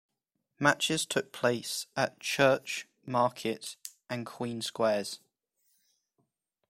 Matches took place at Church-, Market and Queen Squares.